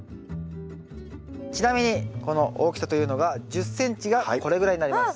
ちなみにこの大きさというのが１０ｃｍがこれぐらいになります。